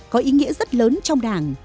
có ý nghĩa rất lớn trong đảng